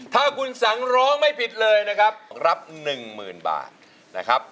ถ้าคุณสังร้องไม่ผิดเลยนะครับรับ๑๐๐๐บาทนะครับ